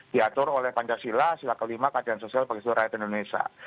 diatur oleh pancasila sila ke lima kajian sosial pakai seluruh rakyat indonesia